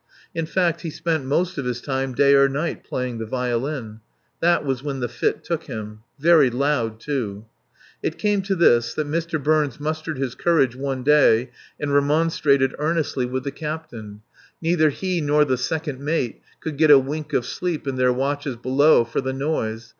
In fact, he spent most of his time day or night playing the violin. That was when the fit took him. Very loud, too. It came to this, that Mr. Burns mustered his courage one day and remonstrated earnestly with the captain. Neither he nor the second mate could get a wink of sleep in their watches below for the noise.